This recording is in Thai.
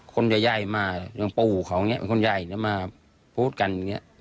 คนยายมาอย่างปูเขาเนี่ยคนยายเนี่ยมาพูดกันอย่างเงี้ย